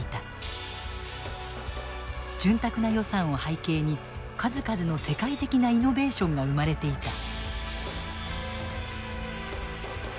潤沢な予算を背景に数々の世界的なイノベーションが生まれていた。